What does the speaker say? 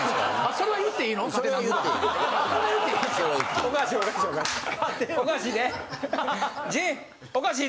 それは言っていい。